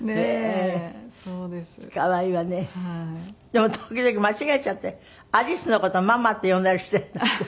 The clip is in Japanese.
でも時々間違えちゃってアリスの事「ママ」って呼んだりしてるんだって？